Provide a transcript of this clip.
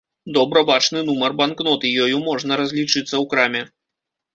Добра бачны нумар банкноты, ёю можна разлічыцца ў краме.